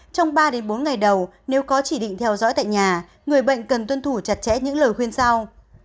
trong ba bốn ngày đầu nếu có chỉ định theo dõi tại nhà người bệnh cần tuân thủ chặt chẽ những lời khuyên sau